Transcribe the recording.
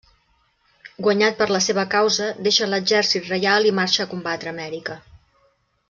Guanyat per la seva causa, deixa l'exèrcit reial i marxa a combatre a Amèrica.